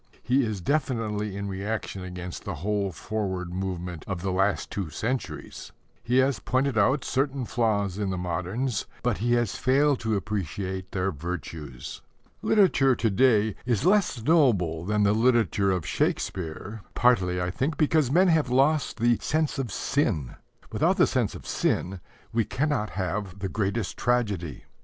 He is definitely in reaction against the whole forward movement of the last two centuries. He has pointed out certain flaws in the moderns, but he has failed to appreciate their virtues. Literature to day is less noble than the literature of Shakespeare, partly, I think, because men have lost the "sense of sin." Without the sense of sin we cannot have the greatest tragedy.